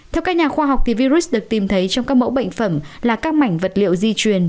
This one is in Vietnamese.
theo các nhà khoa học virus được tìm thấy trong các mẫu bệnh phẩm là các mảnh vật liệu di truyền